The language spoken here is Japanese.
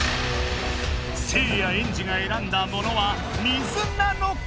せいやエンジが選んだものは水なのか？